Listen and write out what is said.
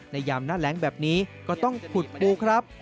ยามหน้าแรงแบบนี้ก็ต้องขุดปูครับ